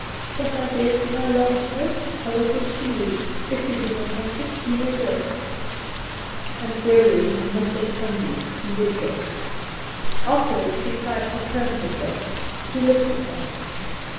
"What I gave to my last nurse I will give to you; if you do not like it you may go." And Gregory muttered humbly, he would take it. Afterward she tried to turn herself. He lifted her!